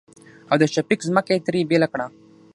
او د شفيق ځمکه يې ترې بيله کړه.